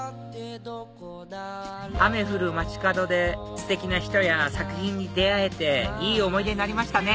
雨降る街角でステキな人や作品に出会えていい思い出になりましたね